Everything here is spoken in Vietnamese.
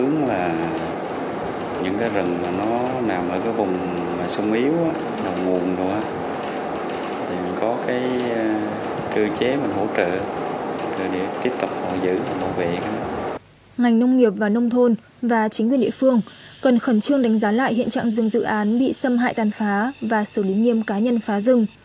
ngành nông nghiệp và nông thôn và chính quyền địa phương cần khẩn trương đánh giá lại hiện trạng rừng dự án bị xâm hại tàn phá và xử lý nghiêm cá nhân phá rừng